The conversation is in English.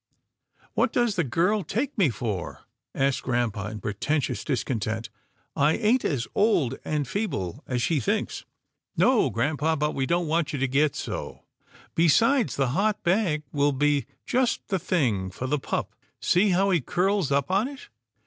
" What does the girl take me for? " asked grampa in pretended discontent. " I ain't as old and feeble as she thinks." " No grampa, but we don't want you to get so. Besides, the hot bag will be just the thing for the pup. See how he curls up on it."